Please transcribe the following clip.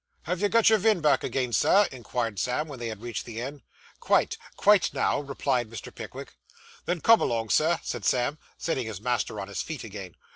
'Have you got your vind back agin, Sir,' inquired Sam, when they had reached the end. 'Quite. Quite, now,' replied Mr. Pickwick. 'Then come along, Sir,' said Sam, setting his master on his feet again.